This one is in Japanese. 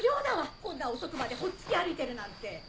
こんな遅くまでほっつき歩いてるなんて！